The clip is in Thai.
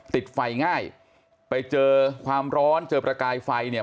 ติดไฟง่ายไปเจอความร้อนเจอประกายไฟเนี่ย